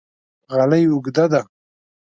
غالۍ اوږده ده